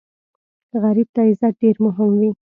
غریب ته عزت ډېر مهم وي